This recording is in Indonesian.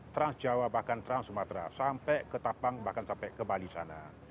trans jawa bahkan trans sumatera sampai ke tapang bahkan sampai ke bali sana